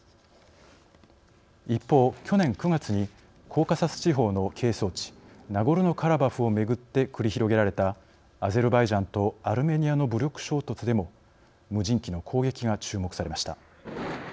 一方、去年９月にコーカサス地方の係争地ナゴルノ・カラバフをめぐって繰り広げられたアゼルバイジャンとアルメニアの武力衝突でも無人機の攻撃が注目されました。